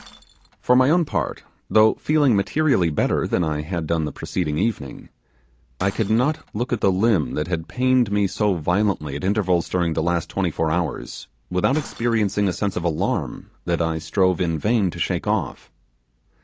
For my own part, though feeling materially better than I had done the preceding evening, I could not look at the limb that had pained me so violently at intervals during the last twenty four hours, without experiencing a sense of alarm that I strove in vain to shake off.